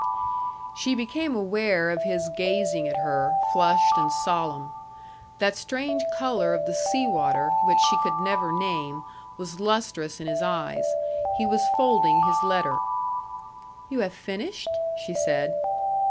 She became aware of his gazing at her, flushed and solemn. That strange color of the sea water, which she could never name, was lustrous in his eyes. He was folding his letter. "You have finished?" she said.